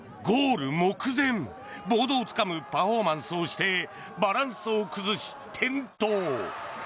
ゴール目前、ボードをつかむパフォーマンスをしてバランスを崩し、転倒。